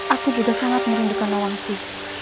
aku juga sangat merindukan nawang sih